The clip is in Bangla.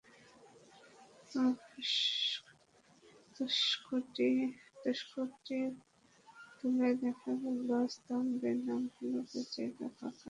তোশকটি তুলে দেখা গেল, স্তম্ভের নামফলকের জায়গা ফাঁকা, ফলকটি তুলে ফেলা হয়েছে।